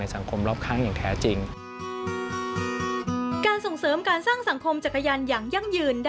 ในสังคมรอบข้างอย่างแท้จริง